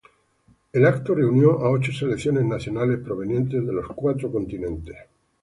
El evento reunió a ocho selecciones nacionales provenientes de los cuatro continentes.